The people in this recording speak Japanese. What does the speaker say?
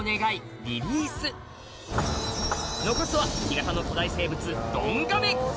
残すは干潟の古代生物ドンガメ